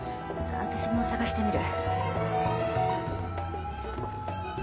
私も探してみる。